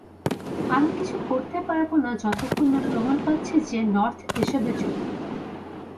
আমি কিছু করতে পারব না যতক্ষন না প্রমাণ পাচ্ছি যে, নর্থ এসবে যুক্ত!